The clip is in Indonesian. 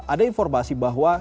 ada informasi bahwa